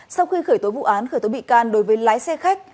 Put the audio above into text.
sau khi khởi tố vụ án khởi tố bị can đối với lái xe khách